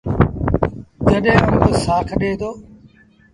جڏهيݩ آݩب سآک ڏي دو۔